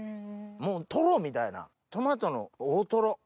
もうトロみたいなトマトの大トロ。